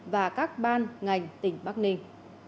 và các ban ngành tỉnh bắc ninh